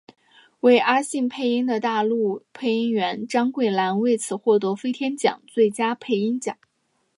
为阿信配音的大陆配音员张桂兰为此获得飞天奖最佳配音奖。